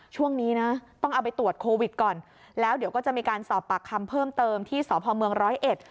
ช่วงนี้นะต้องเอาไปตรวจโควิดก่อนแล้วเดี๋ยวก็จะมีการสอบปากคำเพิ่มเติมที่สพเมืองร้อยเอ็ด